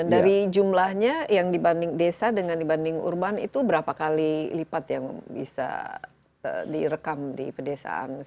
dari jumlahnya yang dibanding desa dengan dibanding urban itu berapa kali lipat yang bisa direkam di pedesaan